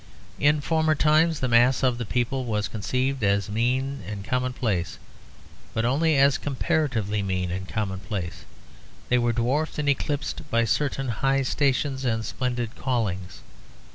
In former times the mass of the people was conceived as mean and commonplace, but only as comparatively mean and commonplace; they were dwarfed and eclipsed by certain high stations and splendid callings.